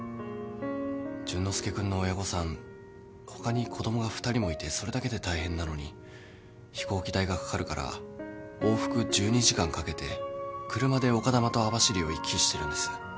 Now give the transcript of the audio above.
淳之介君の親御さん他に子供が２人もいてそれだけで大変なのに飛行機代がかかるから往復１２時間かけて車で丘珠と網走を行き来してるんです。